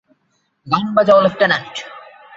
গান বাজাও, লেফটেন্যান্ট!